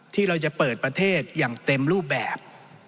ที่เราจะเปิดประเทศอย่างเต็มรูปแบบ